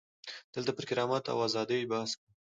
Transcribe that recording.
دلته پر کرامت او ازادۍ بحث کوو.